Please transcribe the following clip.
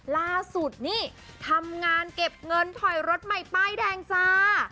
ล่าสุดนี่ทำงานเก็บเงินถอยรถใหม่ป้ายแดงจ้า